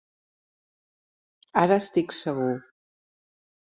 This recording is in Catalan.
Ara estic segur.